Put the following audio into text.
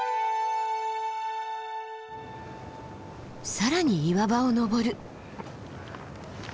更に岩場を登る。